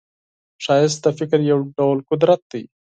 ښایست د فکر یو ډول قدرت دی